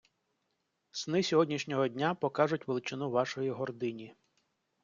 Сни сьогоднішнього дня покажуть величину вашої гордині.